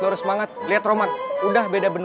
eh bangkuan men